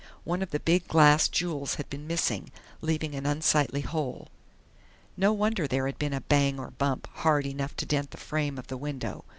One of the big glass jewels had been missing, leaving an unsightly hole. No wonder there had been a "bang or bump" hard enough to dent the frame of the window!